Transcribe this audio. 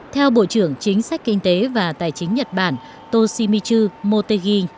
theo bộ trưởng chính sách kinh tế và tài chính nhật bản toshimitchu motegi